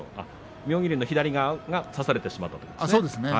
妙義龍の左が差されてしまったことですね。